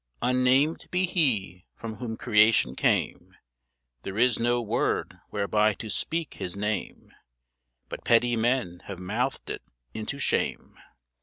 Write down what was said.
Unnamed be HE from whom creation came; There is no word whereby to speak His name But petty men have mouthed it into shame.